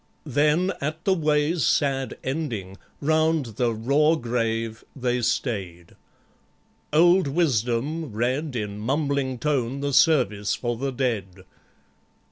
Then, at the way's sad ending, Round the raw grave they stay'd. Old WISDOM read, In mumbling tone, the Service for the Dead.